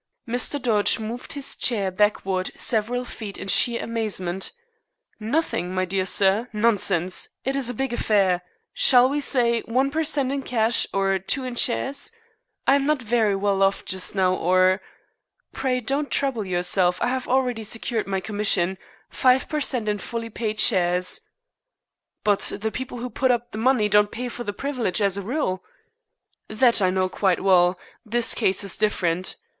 Mr. Dodge moved his chair backward several feet in sheer amazement. "Nothing, my dear sir! Nonsense! It is a big affair. Shall we say one per cent in cash, or two in shares. I am not very well off just now, or " "Pray don't trouble yourself. I have already secured my commission five per cent in fully paid shares." "But the people who put up the money don't pay for the privilege as a rule." "That I know quite well. This case is different.